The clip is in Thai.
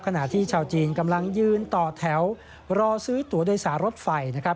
ขณะที่ชาวจีนกำลังยืนต่อแถวรอซื้อตัวโดยสารรถไฟนะครับ